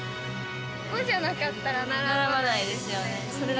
ここじゃなかったら並ばないですね。